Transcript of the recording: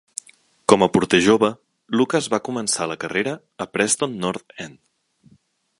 Com a porter jove, Lucas va començar la carrera a Preston North End.